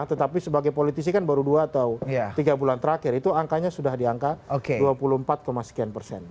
tetapi sebagai politisi kan baru dua atau tiga bulan terakhir itu angkanya sudah di angka dua puluh empat sekian persen